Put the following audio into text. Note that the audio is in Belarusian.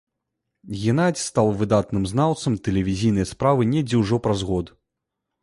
Генадзь стаў выдатным знаўцам тэлевізійнай справы недзе ўжо праз год.